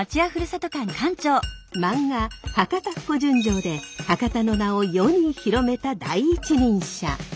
漫画「博多っ子純情」で博多の名を世に広めた第一人者。